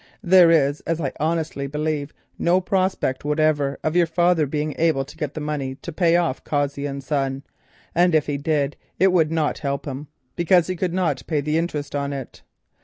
There is, as I honestly believe, no prospect whatever of your father being able to get the money to pay off Cossey and Son, and if he did, it would not help him, because he could not pay the interest on it.